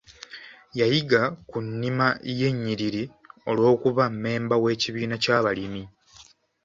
Yayiga ku nnima y'ennyiriri olw'okuba mmemba w'ekibiina ky'abalimi.